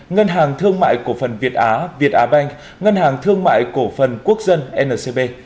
ngân hàng thương mại cổ phần việt á việt á banh ngân hàng thương mại cổ phần quốc dân ncb